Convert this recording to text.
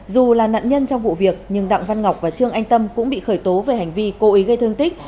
dù là nạn nhân trong vụ việc nhưng đặng văn ngọc và trương anh tâm cũng bị khởi tố về hành vi cố ý gây thương tích